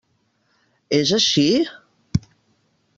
És així?